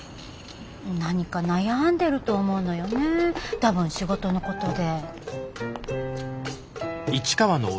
何か悩んでると思うのよね多分仕事のことで。